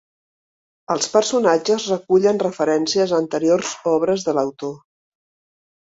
Els personatges recullen referències a anteriors obres de l'autor.